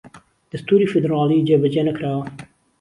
دەستووری فیدڕاڵی جێبەجێ نەکراوە